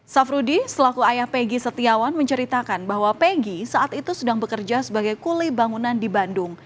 safrudi selaku ayah peggy setiawan menceritakan bahwa peggy saat itu sedang bekerja sebagai kuli bangunan di bandung